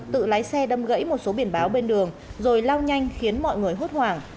tự lái xe đâm gãy một số biển báo bên đường rồi lao nhanh khiến mọi người hốt hoảng